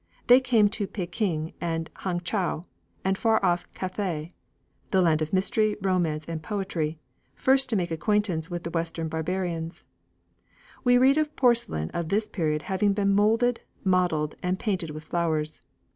They came to Pekin and Hang chow; and far off Cathay, the land of mystery, romance, and poetry, first made acquaintance with the Western barbarians. We read of porcelain of this period having been moulded, modelled, and painted with flowers.